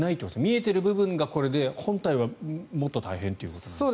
見えてる部分がこれで本体はもっと大変ということですか？